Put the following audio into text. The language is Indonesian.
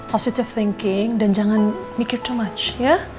positive thinking dan jangan mikir too much ya